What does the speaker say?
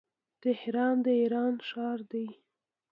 تهران د ايران ښار دی.